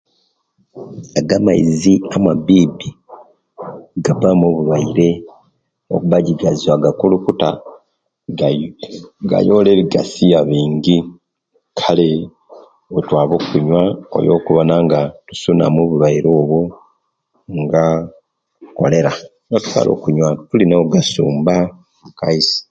Ago amaizi amabibi gabamu obulwaire lwakuba ejigazwa agakulukuta gayoola ebigasiya bingi kale owetwaba okunywa niyo okuboona nga tusuna obulwaire obwo nga cholera kale abanga tunywa tulina ogafumbaku kaisi